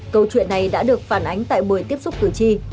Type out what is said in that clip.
câu chuyện này đã được phản ánh tại buổi tiếp xúc cử tri